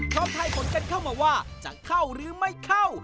พร้อมถ่ายผลเกิดเข้ามาว่าจะเข้าหรือไม่เข้า